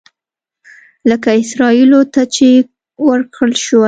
لکه اسرائیلو ته چې ورکړل شوي.